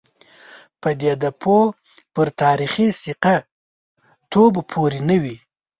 پدیده پوه پر تاریخي ثقه توب پورې نه وي.